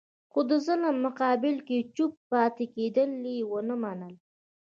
خو د ظلم مقابل کې چوپ پاتې کېدل یې ونه منل.